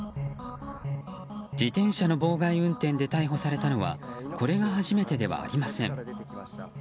自転車の妨害運転で逮捕されたのはこれが初めてではありません。